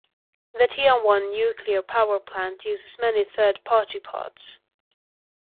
The Tianwan Nuclear Power Plant uses many third party parts.